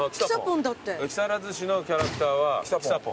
木更津市のキャラクターはきさポン。